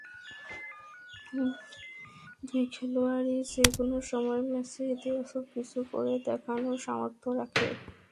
দুই খেলোয়াড়ই যেকোনো সময় ম্যাচে ইতিবাচক কিছু করে দেখানোর সামর্থ্য রাখে।